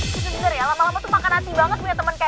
bener bener ya lama lama tuh makan hati banget punya temen gue